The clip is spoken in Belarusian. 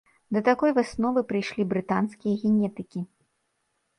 Да такой высновы прыйшлі брытанскія генетыкі.